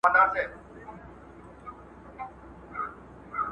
خپل ځان وپوښتئ چي بدترین حالت به څه وي.